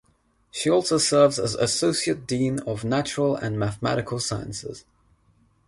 She also serves as Associate Dean of Natural and Mathematical Sciences.